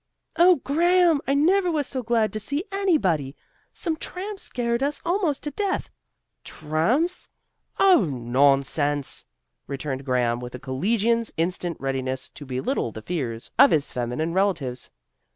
"Oh, Graham, I never was so glad to see anybody! Some tramps scared us almost to death." "Tramps! Oh, nonsense!" returned Graham, with a collegian's instant readiness to belittle the fears of his feminine relatives.